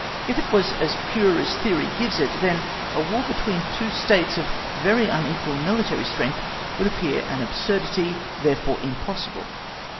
If it was as pure theory gives it, then a War between two States of very unequal military strength would appear an absurdity; therefore impossible.